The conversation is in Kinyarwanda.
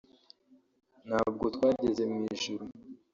nabwo twageze mu ijuru